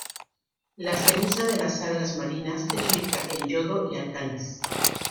La ceniza de las algas marinas es rica en yodo y álcalis.